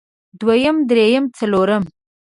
دويم درېيم څلورم